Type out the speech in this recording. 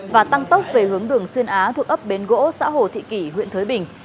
và tăng tốc về hướng đường xuyên á thuộc ấp bến gỗ xã hồ thị kỷ huyện thới bình